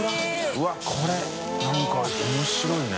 うわっこれ何か面白いね。